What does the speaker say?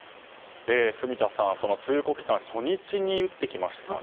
住田さん、通告期間初日に撃ってきましたね。